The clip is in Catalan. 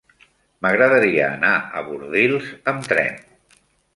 M'agradaria anar a Bordils amb tren.